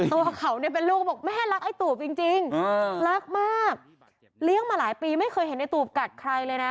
ตัวเขาเนี่ยเป็นลูกบอกแม่รักไอ้ตูบจริงรักมากเลี้ยงมาหลายปีไม่เคยเห็นไอ้ตูบกัดใครเลยนะ